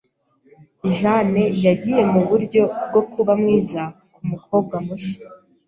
Jane yagiye muburyo bwo kuba mwiza kumukobwa mushya.